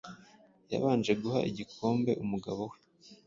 Yabanje guha igikombe umugabo we